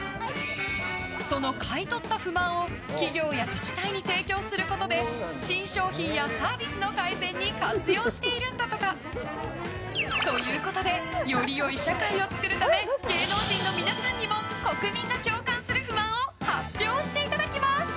その買い取った不満を企業や自治体に提供することで新商品やサービスの改善に活用しているんだとか。ということでより良い社会を作るため芸能人の皆さんにも国民が共感する不満を発表していただきます。